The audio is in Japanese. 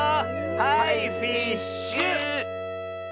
はいフィッシュ！